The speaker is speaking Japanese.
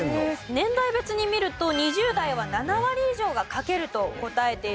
年代別に見ると２０代は７割以上がかけると答えているようです。